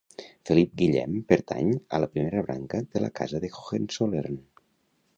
Felip Guillem pertany a la primera branca de la Casa de Hohenzollern.